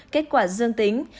kết quả dương tính